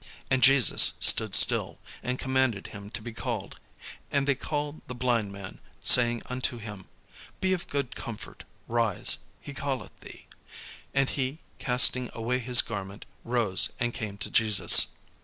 And Jesus stood still, and commanded him to be called. And they call the blind man, saying unto him, "Be of good comfort, rise; he calleth thee." And he, casting away his garment, rose, and came to Jesus.